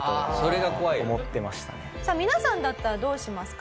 皆さんだったらどうしますか？